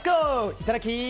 いただき！